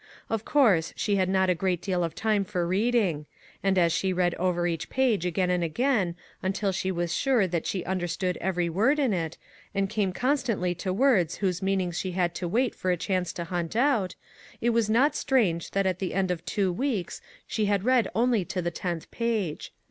Of course, she had not a great deal of time for reading, and, as she read over each page again and again, until she was sure that she understood every word in it, and came constantly to words whose mean ing she had to wait for a chance to hunt out, it was not strange that at the end of two weeks she had read only to the tenth page.